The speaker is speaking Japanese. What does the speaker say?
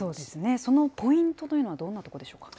そのポイントというのはどんなところでしょうか。